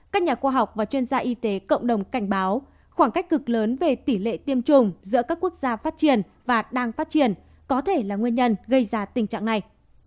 các nhà khoa học và chuyên gia y tế cộng đồng cảnh báo khoảng cách cực lớn về tỷ lệ tiêm chủng giữa các quốc gia phát triển và đang phát triển có thể là nguyên nhân gây ra tình trạng này